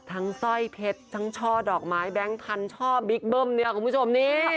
สร้อยเพชรทั้งช่อดอกไม้แบงค์พันธ่อบิ๊กเบิ้มเนี่ยคุณผู้ชมนี่